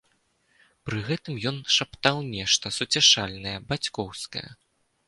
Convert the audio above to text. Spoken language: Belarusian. Пры гэтым ён шаптаў нешта суцяшальнае, бацькоўскае.